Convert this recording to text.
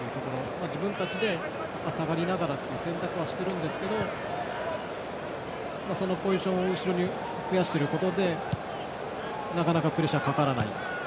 自分たちで下がりながら選択してるんですけどそのポジションを後ろに増やしていることでなかなかプレッシャーがかからないと。